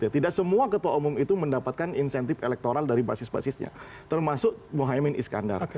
tidak semua ketua umum itu mendapatkan insentif elektoral dari basis basisnya termasuk mohaimin iskandar